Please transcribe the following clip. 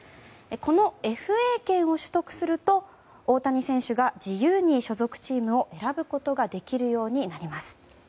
このＦＡ権を取得すると大谷選手が自由に所属チームを選ぶことができるようになります。